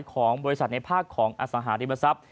ของบริษัทในภาคของอสังหาริมทรัพย